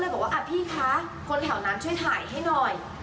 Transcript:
เราก็เลยบอกว่าพี่คะคนแถวนั้นช่วยถ่ายให้หน่อย